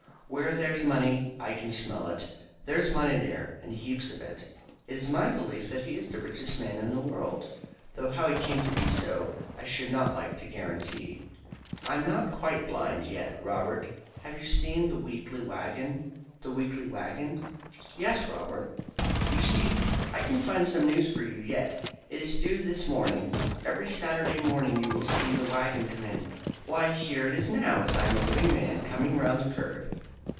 "Where there's money I can smell it. There's money there, and heaps of it. It's my belief that he is the richest man in the world, though how he came to be so I should not like to guarantee. I'm not quite blind yet, Robert. Have you seen the weekly waggon?" "The weekly waggon!" "Yes, Robert. You see I can find some news for you yet. It is due this morning. Every Saturday morning you will see the waggon come in. Why, here it is now, as I am a living man, coming round the curve."